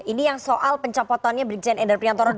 ini yang soal pencampotannya beriksaan ender priantoro dulu